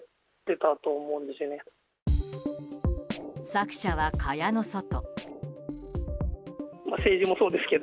作者は蚊帳の外。